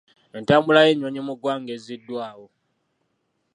Entambula y'ennyonyi mu ggwanga ezziddwawo.